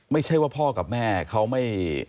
ไม่ใช่ว่าพ่อกับแม่เขาไม่